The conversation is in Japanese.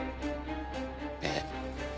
ええ。